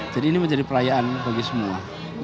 jadi ini menjadi perayaan bagi semua